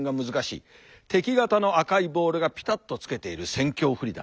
敵方の赤いボールがピタッとつけている戦況不利だ。